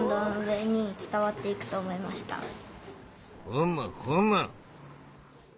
ふむふむ。